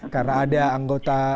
karena ada anggota